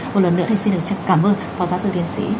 một lần nữa thì xin được cảm ơn phó giáo sư tiến sĩ